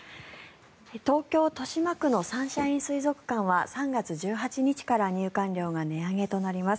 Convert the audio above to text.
東京・豊島区のサンシャイン水族館は３月１８日から入館料が値上げとなります。